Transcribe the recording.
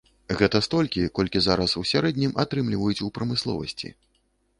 Гэта столькі, колькі зараз у сярэднім атрымліваюць у прамысловасці.